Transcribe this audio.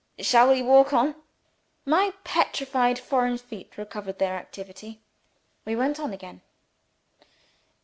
Shall we walk on?" My petrified foreign feet recovered their activity. We went on again.